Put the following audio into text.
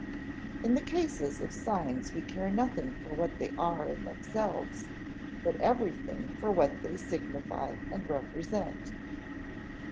In the case of signs we care nothing for what they are in themselves, but everything for what they signify and represent.